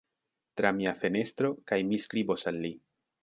Tra mia fenestro, kaj mi skribos al li.